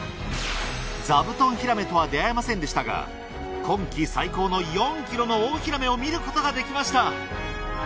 ざぶとんヒラメとは出会えませんでしたが今季最高の４ｋｇの大ヒラメを見ることができました！